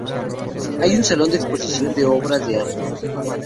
Hay un Salón de Exposición de Obras de Arte.